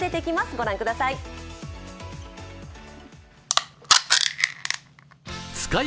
ご覧ください。